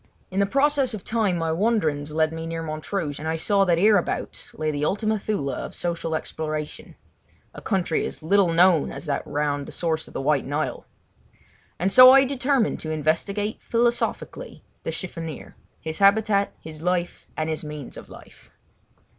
In the process of time my wanderings led me near Montrouge, and I saw that hereabouts lay the Ultima Thule of social exploration—a country as little known as that round the source of the White Nile. And so I determined to investigate philosophically the chiffonier—his habitat, his life, and his means of life.